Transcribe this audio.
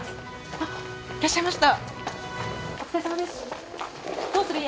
あっいらっしゃいました！